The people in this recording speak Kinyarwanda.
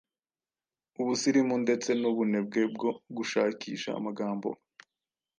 ubusirimu ndetse n’ubunebwe bwo gushakisha amagambo,